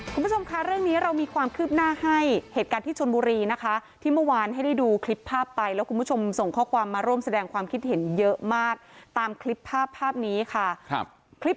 คุณผู้ชมค่ะเรื่องนี้เรามีความคืบหน้าให้เหตุการณ์ที่ชนบุรีนะคะที่เมื่อวานให้ได้ดูคลิปภาพไปแล้วคุณผู้ชมส่งข้อความมาร่วมแสดงความคิดเห็นเยอะมากตามคลิปภาพภาพนี้ค่ะครับคลิป